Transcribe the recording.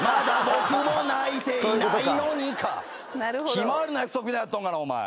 『ひまわりの約束』になっとんがなお前。